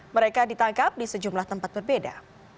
mereka ditangkap di sejumlah tempat berbeda